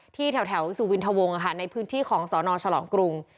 ที่แถวสุวินทะวงฯค่ะในพื้นที่ของศนฉลองกรุง